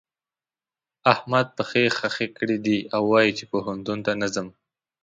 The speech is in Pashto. احمد پښې خښې کړې دي او وايي چې پوهنتون ته نه ځم.